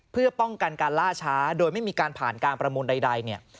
เพื่อป้องกันการล่าช้าโดยไม่มีการผ่านการประมูลใดเนี่ย